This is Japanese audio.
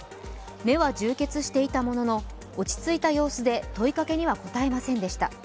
目は充血していたものの落ち着いた様子で問いかけには答えませんでした。